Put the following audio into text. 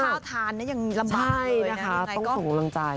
ข้าวทานนี่ยังลำบากเลยนะคะต้องส่งกำลังใจ